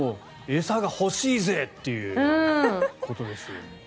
餌が欲しいぜ！っていうことですよ。